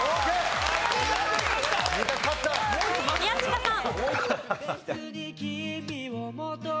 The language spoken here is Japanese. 宮近さん。